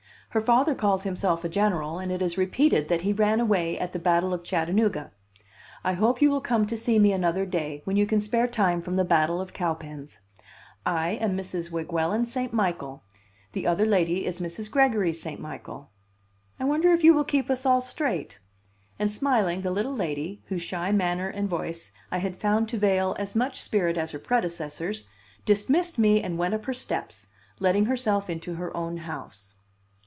Her father calls himself a general, and it is repeated that he ran away at the battle of Chattanooga. I hope you will come to see me another day, when you can spare time from the battle of Cowpens. I am Mrs. Weguelin St. Michael, the other lady is Mrs. Gregory St. Michael. I wonder if you will keep us all straight?" And smiling, the little lady, whose shy manner and voice I had found to veil as much spirit as her predecessor's, dismissed me and went up her steps, letting herself into her own house.